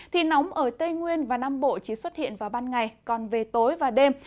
thì nóng ở tây nguyên và nam bộ chỉ xuất hiện vào ban ngày còn về tối và đêm